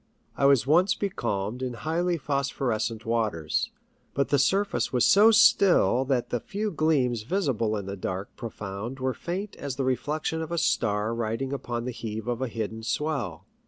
I was once becalmed in highly phos phorescent waters, but the surface was so still that the few gleams visible in the dark profound were faint as the reflection of a star riding upon the heave of the hidden swell.